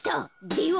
では。